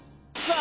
あ！